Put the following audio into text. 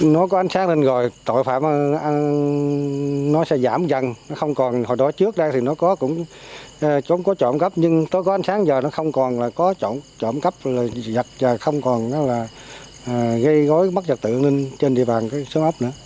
nó có ánh sáng lên rồi tội phạm nó sẽ giảm dần nó không còn hồi đó trước đây thì nó cũng có trộm cấp nhưng nó có ánh sáng giờ nó không còn là có trộm cấp không còn là gây gối mất trật tự